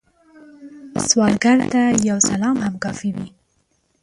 سوالګر ته یو سلام هم کافی وي